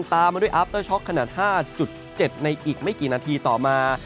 ตามมาด้วยอาร์เตอร์ช็อกขนาด๕๗ในอีกไม่กี่นาทีต่อมา